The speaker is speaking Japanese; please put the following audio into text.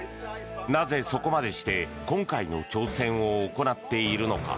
なぜそこまでして今回の挑戦を行っているのか。